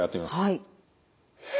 はい。